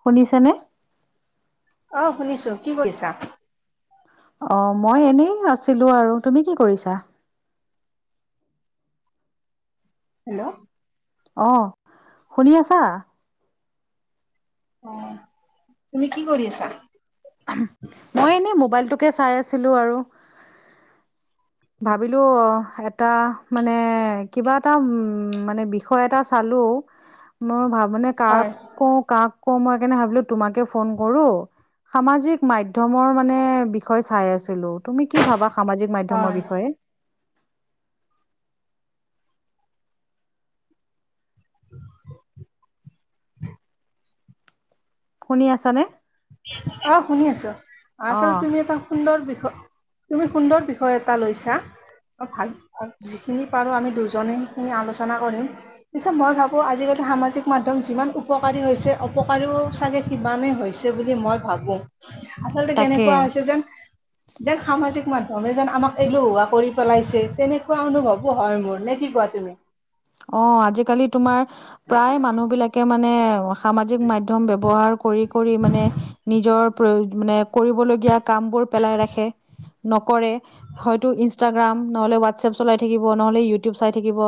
শুনিছা নে অ শুনিছো কি কৰিছা অ মই এনেই আছিলো আৰু তুমি কি কৰিছা হেল্ল' আহ শুনি আছা অ তুমি কি কৰি আছা মই এনে মোবাইলটোকে চাই আছিলো আৰু ভাবিলো এটা মানে কিবা এটা উম মানে বিষয় এটা চালো মোৰ ভাবো মানে কাক হয় কওঁ কাক কওঁ মই সেইকাৰণে ভাবিলো তোমাকে ফোন কৰো সামাজিক মাধ্যমৰ মানে বিষয় চাই আছিলো তুমি কি ভাবা সামাজিক মাধ্যমৰ হয় বিষয়ে শুনি আছনে? অ শুনি আছো আচল তুমি এটা সুন্দৰ বিষয় তুমি সুন্দৰ বিষয় এটা লৈছা ভাল ভাল যিখিনি পাৰো আমি দুজনে সেইখিনি আলোচনা কৰিম। পিছে মই ভাবো আজিকালি সামাজিক মাধ্যম যিমান উপকাৰী হৈছে অপকাৰীও চাগে সিমানেই হৈছে বুলি মই ভাবো আচলতে তাকে। কেনেকুৱা হৈছে যেন যেন সামাজিক মাধ্য মাধ্যম যেন আমাক এলোহোৱা কৰি পেলাইছে তেনেকুৱা অনুভৱো হয় মোৰ নে কি কোৱা তুমি অ আজিকালি তোমাৰ প্ৰায় মানুহ বিলাকে মানে সামাজিক মাধ্যম ব্যৱহাৰ কৰি কৰি মানে নিজৰ প্ৰ মানে কৰিবলগীয়া কাম বোৰ পেলাই ৰাখে নকৰে হয়তো ইনষ্টাগ্ৰাম নহলে হোৱাটচএপ চলাই থাকিব নহলে ইউটিউব চাই থাকিব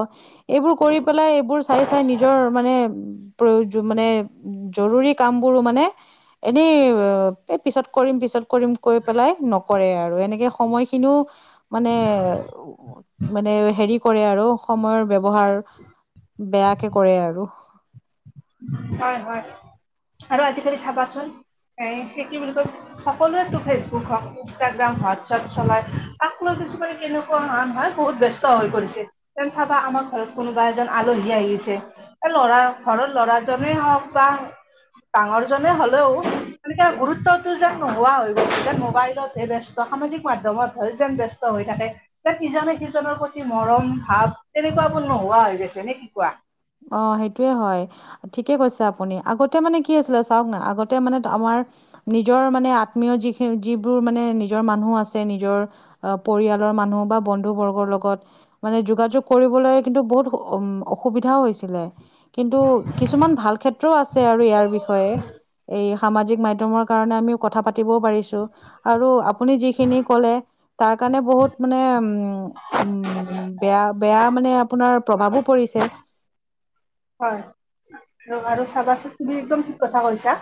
এইবোৰ কৰি পেলাই এইবোৰ চাই চাই নিজৰ মানে প্ৰয়োজ মানে জৰুৰী কামবোৰো মানে এনেই এ পিছত কৰিম পিছত কৰিম কৈ পেলাই ন কৰে আৰু এনেকে সময় খিনিও মানে মানে হেৰি কৰে আৰু সময়ৰ ব্যৱহাৰ বেয়াকে কৰে আৰু হয় হয় আৰু আজিকালি চাবাচোন এ সেই কি বুলি কয় সকলোৱে ফেচবুক হওঁক ইনষ্টাগ্ৰাম, হোৱাটছপ চলাই তাকলৈ কিছুমানে কেনেকুৱা হান হয় বহুত ব্যস্ত হৈ পৰিছে তেন চাবা আমাৰ ঘৰত কোনোবা এজন আলহী আহিছে লৰা ঘৰত ল'ৰাজনেই হওক বা ডাঙৰ জনে হলেও এনেকে গুৰুত্বতো যেন নোহোৱা হৈ গ'ল যেন মোবাইলতহে ব ব্যস্ত সামাজিক মাধ্যমত হয় যেন ব্যস্ত হৈ থাকে যে ইজনে সিজনৰ প্ৰতি মৰম ভাৱ তেনেকুৱাবোৰ নোহোৱা হৈ গৈছে নে কি কোৱা অ সেইটোয়ে হয় ঠিকে কৈছে আপুনি আগতে মানে কি আছিলে চাওক না আগতে মানে আমাৰ নিজৰ মানে আত্মীয় যিখেৰ যিবোৰ মানে নিজৰ মানুহ আছে নিজৰ পৰিয়ালৰ মানুহ বা বন্ধু বৰ্গৰ লগত মানে যোগাযোগ কৰিবলৈ কিন্তু বহুত উ অসুবিধাও হৈছে কিন্তু কিছুমান ভাল ক্ষেত্ৰও‌ আছে আৰু ইয়াৰ বিষয়ে এই সামাজিক মাধ্যম কাৰণে আমি কথাও পাতিব পাৰিছো আৰু আপুনি যিখিনি যিখিনি কলে তাৰ কাৰণে মানে বহুত মানে উম উম বেয়া বেয়া আপুনি আপোনাৰ প্ৰভাৱো পৰিছে। হয়। আৰু চাবাচোন তুমি একদম ঠিক কথা কৈছা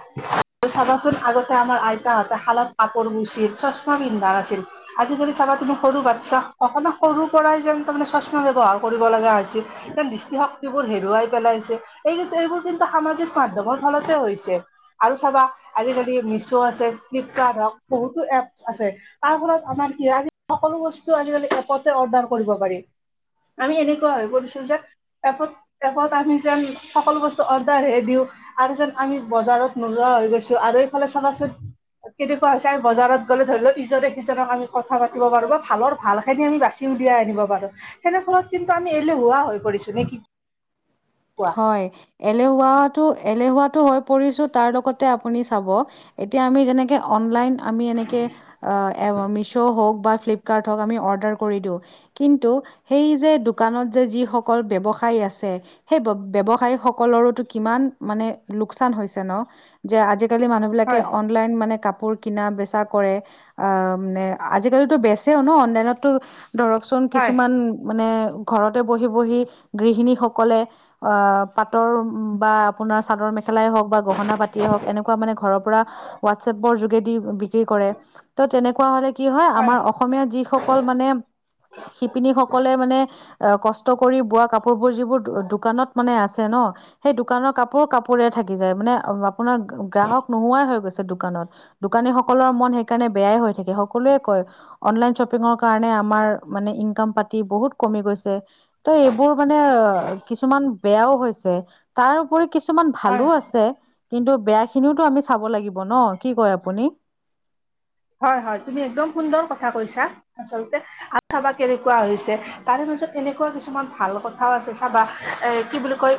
আৰু চাবাচোন আগতে আমাৰ আইতাহত শালত কাপৰ গুছিল চশমা পিন্ধা আছিল আজিকালি চাবা তুমি সৰু বাচ্ছা অ সৰু পৰা যেন তাৰে চচমা ব্যৱহাৰৰ কৰিব লগা হৈছিল যেন দৃষ্টিশক্তিবোৰ হেৰুৱাই পেলাই ছে এই সামাজিক মাধ্যমত ফলতে হৈছে আৰু চাবা আজিকালি। মিচ আছে ফ্লিপকাৰ্ট আছে বহুতো এপচ্ আছে তাৰ ফলত আমাৰ কি হয় সকলো বস্তু আজি আজিকালি সকলোতে অৰ্দাৰ কৰে আমি এনেকৈ আমি যেন সকলো বস্তু অৰ্ডাৰ হে দিও আৰু যেন আমি বজাৰত নোলোৱা হৈ গৈছো আৰু এইফালে চাবা চোন কেনেকুৱা হৈছে আমি বজাৰত গ'লে ধৰি লওক ইজনে সিজনক আমি কথা পাতিব পাৰো ভালৰ ভাল খিনি আমি বাচিম উলিয়াই আনিব পাৰো তেনে ফলত কিন্তু আমি এলেহুৱোৱা হৈ পৰিছো নে কি কোৱা হয় এলেহুৱাতো এলেহুৱাটো হৈ পৰিছো তাৰ লগতে আপুনি চাব এতিয়া আমি যেনেকে অনলাইন আমি এনেকে মিছো হওঁক বা ফ্লিপকাৰ্ট হওঁক বা আমি অৰ্দাৰ দি দিওঁ কিন্ত সেই যে দোকান খনত যে যিসকল ব্যৱহাৰ আছে সেই ব্যৱসায়ীক সকলৰোতো কিমান মানে লোকচান হৈছে ন যে আজি আজিকালি মানুহবিলাকে হয় অনলাইন মানে কাপোৰ কিনা বেচা কৰে আহ মানে আজিকালি বেচেও ন অনলাইনতো ধৰকচোন হয় কিছুমান মানে ঘৰতে বহি বহি গৃহণীসকলে অঁ পাতৰ বা আপোনাৰ চাদৰ মেখেলাই হওঁক বা গহণা পাতি হক এনেকুৱা মানে ঘৰৰ পৰা হোৱাটচএপৰ যোগেদি বিক্ৰী কৰে ত তেনেকুৱা হলে কি হয় আমাৰ অসমীয়া যিসকল মানে শিপিনীসকলে মানে কষ্ট কৰি বোৱা কাপোৰ বোৰ যিবোৰ দোকানত মানে আছে ন সেই দোকানৰ কাপোৰ কাপোৰে থাকি যায় মানে আপোনাৰ গ্ৰাহক নোহোৱাই হৈ গৈছে দোকানত দোকানী সকলৰ মন সেইকাৰণে বেয়াই হৈ থাকে সকলোৱে কয় অনলাইন শ্বপিঙৰ কাৰ কাৰণে আমাৰ মানে ইনকাম পাতি বহুত কমি গৈছে ত এইবোৰ মানে কিছুমান বেয়াও হৈছে তাৰপৰি কিছুমান হয় ভালো আছে কিন্তু বেয়া সেইখিনিতো আমি চাব লাগিব ন কি কয় আপুনি হয় হয় তুমি একদম সুন্দৰ কথা কৈছা আচল্ততে আৰু চাবা কেনেকুৱা হৈছে তাৰে ত এনেকুৱা কিছুমান ভাল কথাও আছে চাবা এ কি বুলি কয়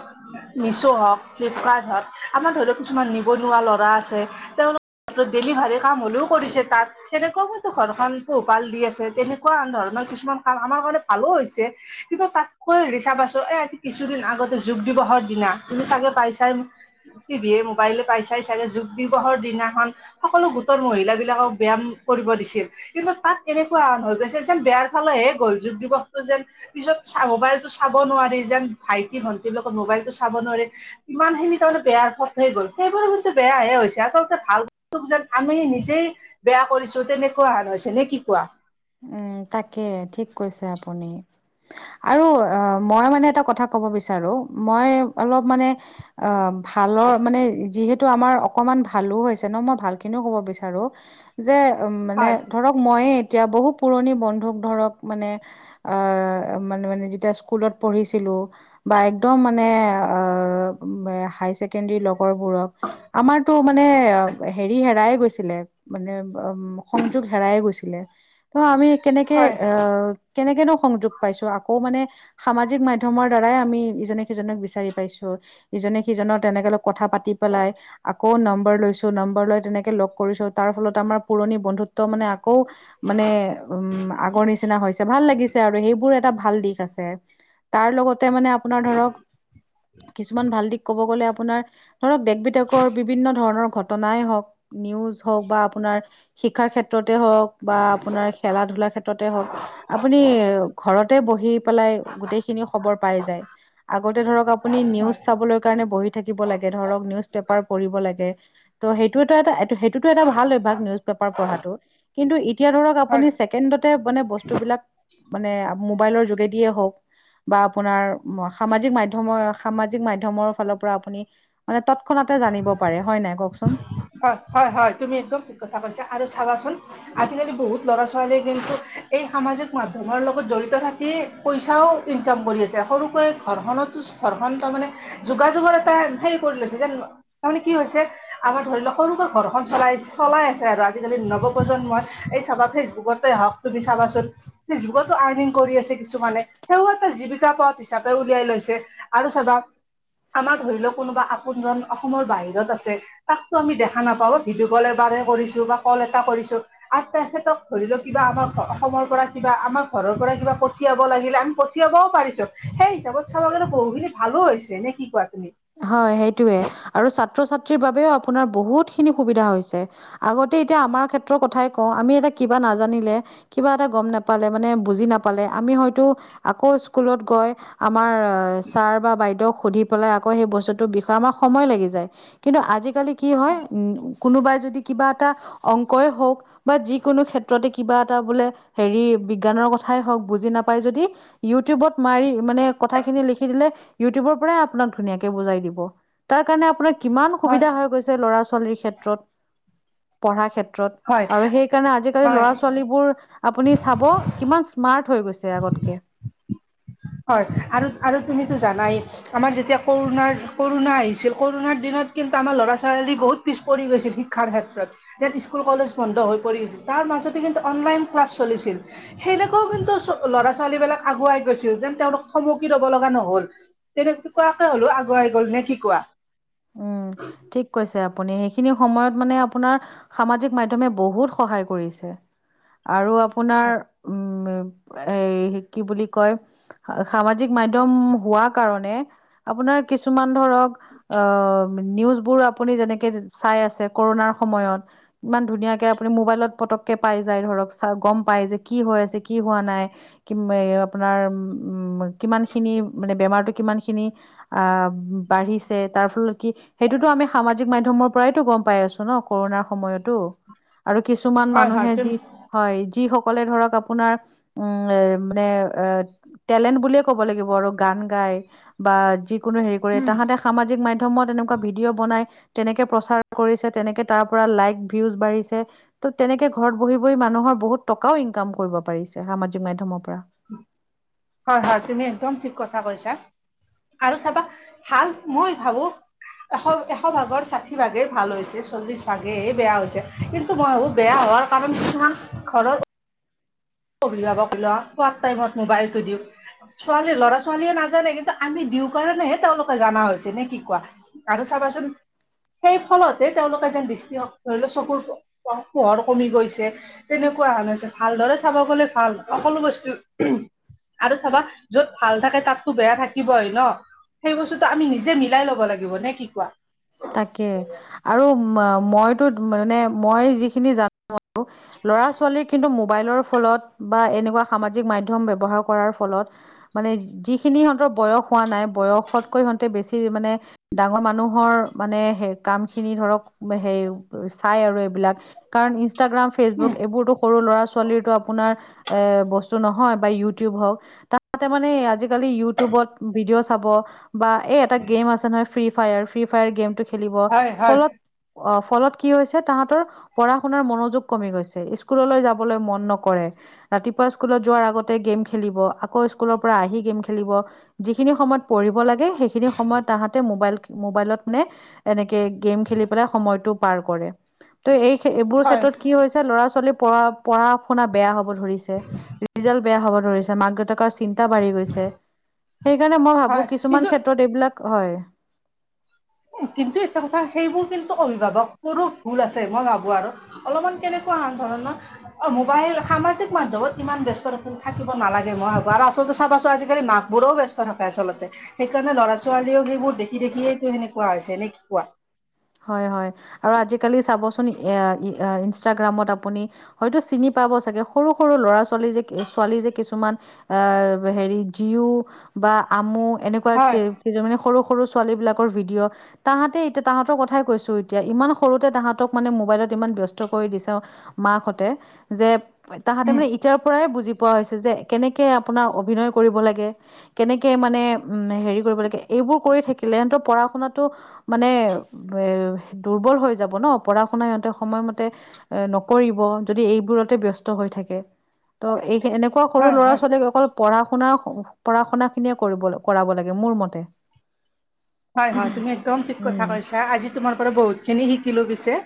মছো হওক আমাৰ ধৰিও কিছুমান নিবনুৱা লৰা আছে তেওঁলোকৰ ডেলিভাৰী কাম হলেও কৰিছে তাত তেনেকুৱা মতো ঘৰখন পোহপাল দি আছে তেনেকুৱা ধৰণৰ কিছুমান কাম আমাৰ কাৰণে ভালো হৈছে কিন্তু তাতকৈ ৰিচা প আছো এই আজি কিছুদিন আগতে যোগ দিৱসৰ দিনা তুমি চাগে পাইছাই টিভিয়ে মোবাইলে পাই চাই চাই যোগ দিৱসৰ দিনাখন সকলো গোটৰ মহিলা বিলাকক ব্যায়াম কৰিব দিছিল কিন্তু তাত এনেকুৱা হৈ গৈছে যেন বেয়াৰ ফালেহে গল যোগ দিৱসটো যেন পিছত মোবাইলতটো চাব নোৱাৰি যেন ভাইটি ভন্টিৰ লগত মোবাইল টো চাব নোৱাৰে ইমান খিনি তাৰমানে বেয়া পথ হৈ গ'ল সেইবোৰো কিন্তু বেয়াহে হৈছে আচলতে ভাল যেন আমি নিজেই বেয়া কৰিছো তেনেকুৱা হান হৈছে নে কি কোৱা উম তাকে ঠিক কৈছে আপুনি। আৰু অঁ মই মানে এটা কথা ক'ব বিচাৰো মই অলপ মানে অঁ ভালৰ মানে যিহেতু আমাৰ অকমান ভালো হৈছে ন মই ভালখিনিও ক'ব বিচাৰো যে মানে হয় ধৰক মইয়ে এতিয়া বহুত পুৰণি বন্ধুক ধৰক মানে আহ মানে ম যেতিয়া স্কুলত পঢ়িছিলো বা একদম মানে হায়কড আমাৰটো মানে হে হ ছিলে মানে উ সংযোগ হেৰাই গৈছিলে। ত আমি কেনেকে হয় আহ কেনেকেনো সংযোগ পাইছো আকৌ মানে সামাজিক মাধ্যমৰ দ্বাৰাই আমি ইজনে সিজনক বিচাৰি পাইছো। ইজনে সিজনৰ তেনেকে কথা পাতি পেলাই আকৌ নম্বৰ লৈছো নম্বৰ লৈ তেনেকে লগ কৰি ত তাৰ ফলত আমাৰ পুৰণি বন্ধুত্ব মানে আকৌ মানে উ আগৰ নিচিনা হৈছে ভাল লাগিছে আৰু সেইবোৰ এটা ভাল দিশ। আছে। তাৰ লগতে মানে আপোনাৰ ধৰক কিছুমান ভাল দিশ ক'ব গ'লে আপোনাৰ ধৰক দেশ বিদেশৰ বিভিন্ন ধৰণৰ ঘটনাই হওক নিউজ হওক বা আপোনাৰ শিক্ষাৰ ক্ষেত্ৰত হওক বা আপোনাৰ খেলা ধূলা ক্ষেত্ৰতে হওক, আপুনি ঘৰতে বহি পেলাই গোটেই খিনি খবৰ প পাই যাই, আগতে ধৰক আপুনি নিউজ হয় চাবলৈ কাৰনে বহি থাকিব লাগে ধৰক নিউজ পেপাৰ পঢ়িব লাগে সেই সেইটো এটা সেইটোত এটা ভাল অভ্যাস পাৰ পঢ়াটো, কিন্তু এতিয়া ধৰক হয় আপুনি ছেকেণ্ডতে মনে বস্তু বিলাক মানে মোবাইলৰ যোগেদিয়ে হওক বা আপোনাৰ সামাজিক মাধ্যমৰ সামাজিক মাধ্যমৰ ফালৰ পৰা আপুনি মানে তৎক্ষণাত জানিব পাৰে হয় নাই কক? হয় হয় হয় তুমি একদম ঠিক কথা কৈছা আৰু চাবাচোন আজিকালি বহুত ল'ৰা ছোৱালী কিন্তু এই সামাজিক মাধ্যমৰ লগত জড়িত থাকি পইচাও ইনকাম কৰি আছে সৰুকৈ ঘৰখনতো ঘৰখন তাৰ মমানে যোগাযোগৰ এটা হে কৰি লৈছে তাৰ মানে কি হৈছে আমাৰ ধৰি লওক সৰুকৈ ঘৰখন চলাই চলাই আছে আৰু আজিকালি নৱপ্ৰজন্মই এই চাবা ফেচবুকতে তুমি চাবাচোন যুগতো আৰ্নিং কৰি আছে কিছুমানে তেওঁ এটা জীৱিকা পথ হিচাপে উলিৱাই লৈছে আৰু চাবা আমাৰ ধৰি লও কোনোবা আপোনজন অসমৰ বাহিৰত আছে তাকতো আমি দেখা নাপাও ভিডিঅ' কল এবাৰে কৰিছো বা কল এটা কৰিছো আৰু তেখেতক ধৰি লও কিবা আমাৰ অসমৰ পৰা কিবা আমাৰ ঘৰৰ পৰা কিবা পঠিয়াব লাগিলে আমি পঠিয়াবও পাৰিছো। সেই হিচাপত [unintelligible] বহুখিনি ভালো হৈছে ননে কি কোৱা তুমি? হয় সেইটোৱে, আৰু ছাত্ৰ ছাত্ৰীৰ বাবেও আপোনাৰ বহুত খিনি সুবিধা হৈছে। আগতে এতিয়া আমাৰ ক্ষেত্ৰৰ কথাই ক আমি এটা কিবা নাজানিলে কিবা এটা গম নাপালে মানে বুজি নাপালে আমি হয়তো আকৌ স্কুলত গৈ, আমাৰ ছাৰ বা বাইদেউক সুধি পেলাই আকৌ সেই বস্তুতৰ বিষয়ে আমাক সময় লাগি যায়, কিন্তু আজিকালি কি হয় উম কোনোবাই যদি কিবা এটা অংকই হওঁক বা যিকোনো ক্ষেত্ৰতে কিবা এটা বোলে হেৰি বিজ্ঞানৰ কথাই হওক, বুজি নাপাই যদি ইউটিউবত মাৰি মনে কথা খিনি লিখি দিলে, ইউটিউব বৰ পৰাই আপোনাক ধুনীয়াকে বুজাই দিব, তাৰ কাৰণে আপোনাৰ কিমান হয় সুবিধা হৈ গৈছে ল'ৰা ছোৱালীৰ ক্ষেত্ৰত। পঢ়া ক্ষেত্ৰ হয় আৰু সেই কাৰণে আজিকালি লৰা হয় ছালীবোৰ আপুনি চাব কিমান স্মাৰট হৈ গৈছে। আগতকে। হয় আৰু আৰু তুমিতো জানাই আমাৰ যেতিয়া কৰোণাৰ কৰোণা আহিছিল কৰোণাত দিনত কিন্তু আমাৰ ল'ৰা ছোৱালী বহুত পিছ পৰি গৈছিল শিক্ষাৰ ক্ষেত্ৰত, যেন স্কুল কলেজ বন্ধ হৈ পৰিছিল তাৰ মাজতে কিন্তু অনলাইন ক্লাছ চলিছিল, সেনেকুৱাও কিন্তু ল'ৰা ছোৱালী বিলাক আগুৱাই গৈছিল যেন তেওঁলোক থমকি ল'ব লগা নহল, তেনেকোৱাকে হ'লো আগুৱাই গ'ল। নে কি কোৱা? উম ঠিক কৈছে আপুনি। আপুনি সেইখিনি সময়ত মনে আপোনাৰ সামাজিক মাধ্যমে বহুত সহায় কৰিছে। আৰু আপোনাৰ উম এ কি বুলি কয় সামাজিক মাধ্যম হোৱা কাৰণে আপোন কিছুমান ধৰক অ নিউজ বোৰ আপুনি যেনেকে চাই আছে কোৰোনাৰ সময়ত, ইমান ধুনীয়াকে আপুনি মোবাইল পটককে পাই যায় ধৰক, গম পায় যে কি হোৱা নাই আ আপোনাৰ উ কিমানখিনি মানে বেমাৰতটো কিমান খিনি আ বাঢ়িছে তাৰ ফলত কি সেইটোতো আমি সামাজিক মাধ্যমৰ পৰাইতো গম পাই আছো ন কৰোণাৰ সময়তো। আৰু কিছুমান হয় হয় মানুহে তুম যি হয় যি অলে ধৰক আপোনাৰ উম মানে টেলেণ্ট বুলিয়ে ক'ব লাগিব আৰু গান গ বা যিকোনো হেৰি কৰি তাঁহাতে সামাজিক মাধ্যমত এনেকুৱা ভিডিঅ। বনাই, তেনেকে প্ৰচাৰ কৰিছে তেনেকে তাৰপৰা লাইক ৱীওচ বাঢ়িছে ত তেনেকে ঘৰত বহি। মানুহৰ বহুত টকাও ইনকাম কৰিব পাৰিছে, সামাজিক মাধ্যমৰ পৰা। হয় হয় তুমি একদম ঠিক কথা কৈছা। আৰু চাবা, ভাল মই ভাবো। এশ এশ ভাগৰ ষাঠি ভাগে ভাল হৈছে, চল্লিশ ভাগে বেয়া হৈছে। কিন্তু মই ভাবো বেয়া হোৱাৰ কাৰণ কিছুমান ঘৰৰ অভিভাৱক লোৱা টাইমত মোবাইলটো দিওঁ ছোৱালী লৰা ছোৱালীয়ে নাজানে কিন্তু আমি দিওঁ কাৰণেহে তেওঁলোকে জানা হৈছে। নে কি কোৱা? আৰু চাবাচোন,, সেই ফলতে তেওঁলোকে যেন দৃষ্টি ধৰি লও চকুৰ পোহৰ কমি গৈছে। কোৱা হ হৈছে ভালদৰে চাব গ'লে ভাল সকলো বস্তু। আৰু চাবা যত ভাল থাকে তাততো বেয়া থাকিবই ন। সেই বস্তুটো আমি নিজে মিলাই লব লাগিব নে কি কোৱা? তাকে আৰু মইতো মানে মই যিখিনি জানো ল'ৰা ছোৱালী কিন্তু মোবাইলৰ ফলত বা এনেকুৱা সামাজিক মাধ্যম ব্যৱহাৰ কৰা ফলত। বয়স হোৱা নাই, বয়সতকৈ সিহতে বেছি মানে ডাঙৰ মানুহৰ মানে সে কাম খিনি ধৰক সেই চাই আৰু এইবিলাক কাৰণ ইনষ্টাগ্ৰাম, ফেচবুক এইবোৰতো সৰু ল'ৰা ছোৱালীটো আপোনাৰ। এ বস্তু নহয় বা ইউটিউব হওঁক তাতে মানে আজিকালি ইউটিউবত ভিডিঅ'। চাব এই এটা গেম আছে নহয় ফ্ৰী ফায়াৰ ফ্ৰী ফায়াৰ গেমটো। খেলিব, হয় হয় ফলত অ। ফলত কি হৈছে তাহাঁতৰ পঢ়া শুনাৰ মনোযোগ কমি গৈছে, স্কুললৈ যাবলৈ মন নকৰে। ৰাতিপুৱা স্কুলত যোৱাৰ আগতে গেম খেলিব আকৌ স্কুলৰ পৰা আহি গেম খেলিব যিখিনি সময়ত। পঢ়িব লাগে সেইখিনি সময়ত তাহাঁতে মোবাইল মোবাইলত মানে এনে। গেম খেলি সময়তো পাৰ কৰে, ত এইবোৰ হয় ক্ষেত্ৰত কি হৈছে লৰা ছোৱালীৰ। পঢ়া শুনা বেয়া হব ধৰিছে, ৰিজাল্ট বেয়া হব ধৰিছে, মাক দেউতাকৰ। চিন্তা বাঢ়ি গৈছে, সেইকাৰণে মই ভাবো হয় কিছুমান কিন্তু ক্ষেত্ৰত এইবিলাক হয়। কিন্তু এটা কথা সেইবোৰ কিন্তু অভিভাৱক বোৰো ভুল আছে মই ভাবো আৰু অলপমান কেনেকুৱা। মোবাইল সামাজিক মাধ্যমত ইমান ব্যস্ত থাকিব নালাগে মই ভাবো, আৰু আচলতে। চাবাচোন আজিকালি মাকবোৰেও ব্যস্ত থাকে আচলতে, সেইকাৰণে লৰা ছোৱালীয়েও সেইবোৰ দেখি দেখিয়েইটো সেনে। কোৱা হৈছে নে কোৱা? হয় হয় আৰু আজিকালি চাবচোন ইনষ্ট্ৰাগ্ৰামত আপুনি হয়তো। পাব চাগে সৰু সৰু ল'ৰা ছোৱালী যে ছোৱালী যে কিছুমান আহ হেৰি জি জীউ বা আমু এনেকুৱা হয় কি মানে সৰু সৰু ছোৱালী বিলাকৰ ভিডিঅ' তাহাঁতে এতিয়া তাহত। তৰ কথাই কৈছো এতিয়া ইমান সৰুতে তাহাতক মানে মোবাইলত ইমান ব্যস্ত কৰি দিছে মাকাহঁতে। যে তাহাঁতে উম মানে এতিয়াৰ পৰাই বুজি। পুৱা হৈছে যে কেনেকে আপোনাৰ অভিনয় কৰিব লাগে, কেনেকে মানে উ হেৰি কৰিব লাগে। এইবোৰ কৰি থাকিলে সিহঁতৰ পঢ়া শুনাটো মানে এ দুৰ্বল হৈ যাব ন পঢ়া শুনা সিহঁতে সময়মতে এ নকৰিব যদি এইবোৰ বোৰতে ব্যস্ত থাকে, ত এই এনেকুৱা সৰু হয় লৰা হয় ছোৱালীক অকল শুনা পঢ়া শুনা খিনিয়ে কৰিব কৰাব লাগে মোৰ মতে হয় হয় তুমি একদম ঠিক কথা উম কৈছা, আজি তোমাৰ পৰা বহুত খিনি শিকিলোঁ পিছে